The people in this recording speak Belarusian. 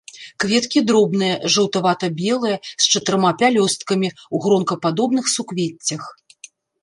Кветкі дробныя, жаўтавата-белыя, з чатырма пялёсткамі, у гронкападобных суквеццях.